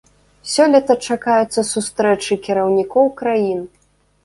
Сёлета чакаюцца сустрэчы кіраўнікоў краін.